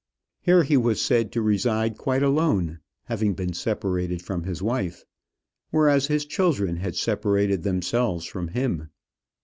Here he was said to reside quite alone, having been separated from his wife; whereas, his children had separated themselves from him.